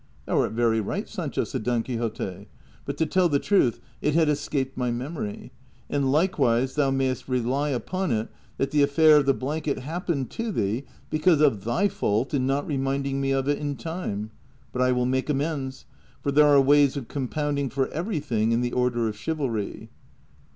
" Thou art very right, Sancho,'* said Don Quixote, " but to tell the truth, it had escaped my memory ; and likewise thou mayest rely upon it that the affair of the blanket hap})ened to thee because of thy fault in not reminding me of it in time ; but I will make amends, for there are ways of compounding for everything in the order of chivalry."